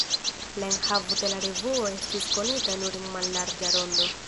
La enhavo de la revuo estis konita nur en mallarĝa rondo.